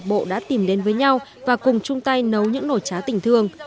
câu lạc bộ đã tìm đến với nhau và cùng chung tay nấu những nồi chá tình thương